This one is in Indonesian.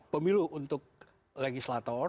pemilu untuk legislator